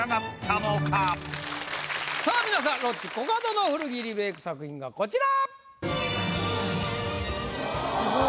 さぁ皆さんロッチ・コカドの古着リメイク作品がこちら！